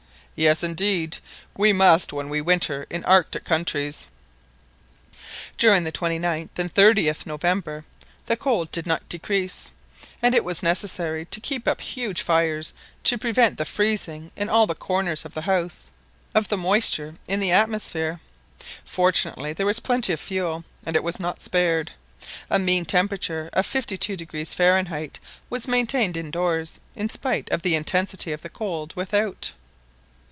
"Yes, indeed, we must when we winter in Arctic countries." During the 29th and 30th November, the cold did not decrease, and it was necessary to keep up huge fires to prevent the freezing in all the corners of the house of the moisture in the atmosphere. Fortunately there was plenty of fuel, and it was not spared. A mean temperature of 52° Fahrenheit was maintained indoors in spite of the intensity of the cold without.